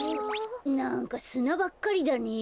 なんかすなばっかりだねえ。